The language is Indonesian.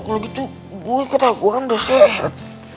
kalau gitu gua ketahuan udah sehat